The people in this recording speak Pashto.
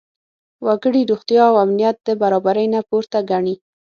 وګړي روغتیا او امنیت د برابرۍ نه پورته ګڼي.